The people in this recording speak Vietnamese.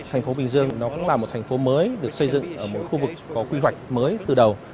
thành phố bình dương nó cũng là một thành phố mới được xây dựng ở một khu vực có quy hoạch mới từ đầu